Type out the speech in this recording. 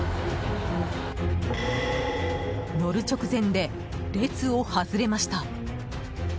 乗る直前で列を外れました。